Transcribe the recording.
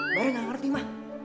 mere nggak ngerti ma